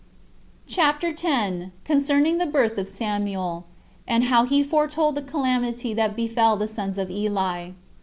CHAPTER 10. Concerning The Birth Of Samuel; And How He Foretold The Calamity That Befell The Sons Of Eli.